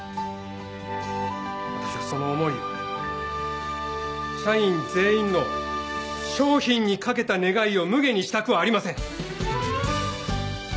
私はその思いを社員全員の商品に懸けた願いをむげにしたくはありません。